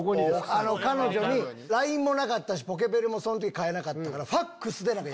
ＬＩＮＥもなかったしポケベルもその時買えなかったから。